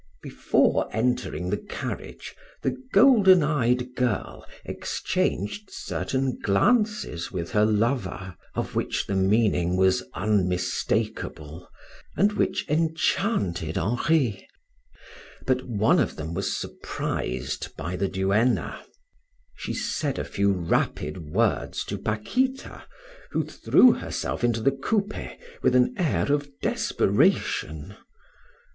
Before entering the carriage, the golden eyed girl exchanged certain glances with her lover, of which the meaning was unmistakable and which enchanted Henri, but one of them was surprised by the duenna; she said a few rapid words to Paquita, who threw herself into the coupe with an air of desperation.